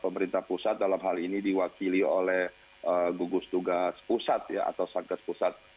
pemerintah pusat dalam hal ini diwakili oleh gugus tugas pusat atau satgas pusat